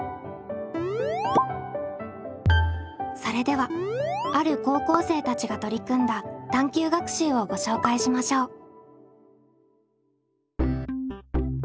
それではある高校生たちが取り組んだ探究学習をご紹介しましょう。